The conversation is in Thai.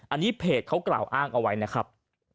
อันนี้เพจเขากล่าวอ้างเอาไว้นะครับ